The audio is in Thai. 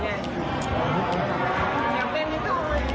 เดี๋ยวเต้นนิดหน่อย